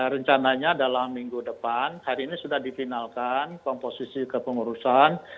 rencananya dalam minggu depan hari ini sudah difinalkan komposisi kepengurusan